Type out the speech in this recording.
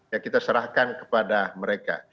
ya kita serahkan kepada mereka